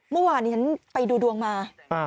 เมื่อวานนี้ฉันไปดูดวงมา